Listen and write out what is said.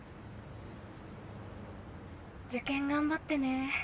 受験頑張ってね。